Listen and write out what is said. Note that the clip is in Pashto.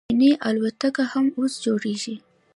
چیني الوتکې هم اوس جوړیږي.